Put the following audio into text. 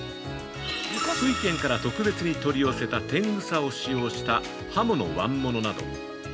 福島県から特別に取り寄せた天草を使用したハモのわんものなど。